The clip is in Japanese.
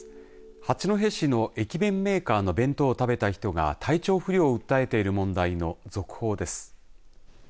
八戸市の駅弁メーカーの弁当を食べた人が体調不良を訴えている問題の続報です。